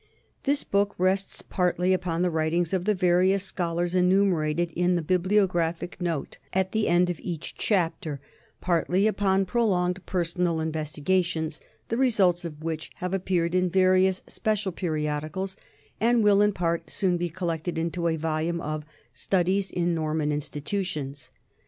This book rests partly upon the writings of the various scholars enumerated in the bibliographical note at the viii PREFACE end of each chapter, partly upon prolonged personal investigations, the results of which have appeared in various special periodicals and will, in part, soon be collected into a volume of Studies in Norman Institu tions.